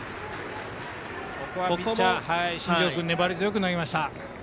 新庄君粘り強く投げました。